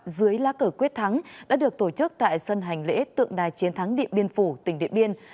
dưới lá cờ quyết thắng đã được tổ chức tại sân hành lễ tượng đài chiến thắng điện biên phủ tỉnh điện biên